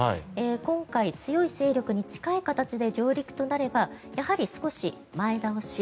今回、強い勢力に近い形で上陸となればやはり少し前倒し。